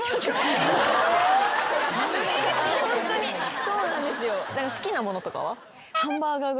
ホントにそうなんですよ。